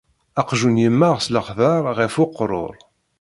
Aqjun yemmeɣ s lexdeɛ ɣef uqrur.